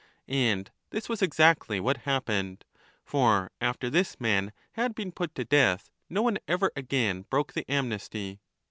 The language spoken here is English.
And this was exactly what happened ; for after this man had been put to death no one ever again broke the amnesty.